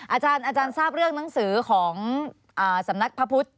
อาจารย์ทราบเรื่องหนังสือของสำนักพระพุทธ